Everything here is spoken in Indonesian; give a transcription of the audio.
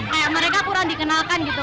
kayak mereka kurang dikenalkan gitu